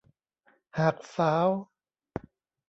หากสาว